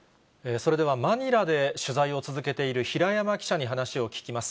それでは、マニラで取材を続けている平山記者に話を聞きます。